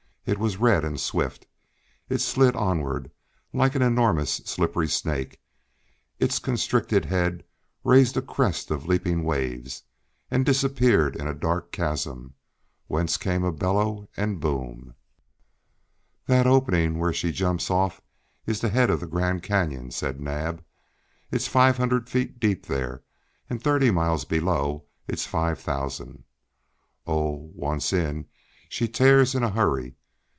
It was red and swift; it slid onward like an enormous slippery snake; its constricted head raised a crest of leaping waves, and disappeared in a dark chasm, whence came a bellow and boom. "That opening where she jumps off is the head of the Grand Canyon," said Naab. "It's five hundred feet deep there, and thirty miles below it's five thousand. Oh, once in, she tears in a hurry!